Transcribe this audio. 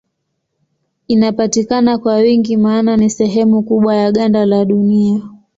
Inapatikana kwa wingi maana ni sehemu kubwa ya ganda la Dunia.